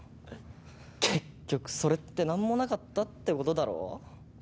結局それってなんもなかったって事だろ？